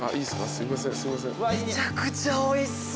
・めちゃくちゃおいしそう。